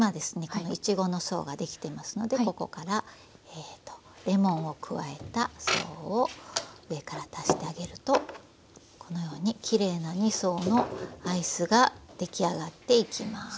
このいちごの層ができていますのでここからレモンを加えた層を上から足してあげるとこのようにきれいな２層のアイスが出来上がっていきます。